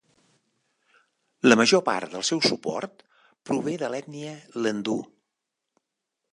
La major part del seu suport prové de l'ètnia Lendu.